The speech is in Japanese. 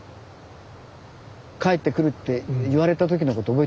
帰ってくるって言われた時のこと覚えてますか？